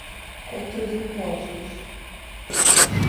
Contra os Impostos